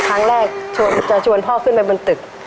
ครั้งแรกจะชวนพ่อขึ้นไปบนตึก